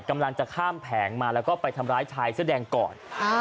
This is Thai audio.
กำลังจะข้ามแผงมาแล้วก็ไปทำร้ายชายเสื้อแดงก่อน